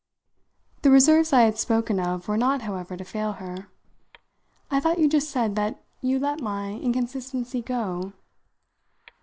The reserves I had spoken of were not, however, to fail her. "I thought you just said that you let my inconsistency go."